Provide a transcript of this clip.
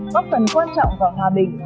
góp phần quan trọng vào hòa bình